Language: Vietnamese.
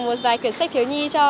một vài cuốn sách thiếu nhi cho